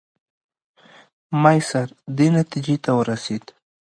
ماسیر دې نتیجې ته ورسېد.